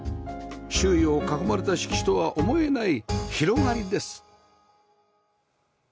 周囲を囲まれた敷地とは思えない広がりです